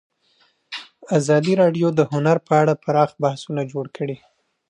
ازادي راډیو د هنر په اړه پراخ بحثونه جوړ کړي.